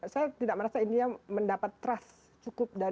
saya tidak merasa india mendapat trust cukup